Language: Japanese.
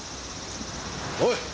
おい！